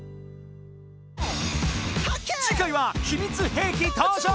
次回は秘密兵器登場！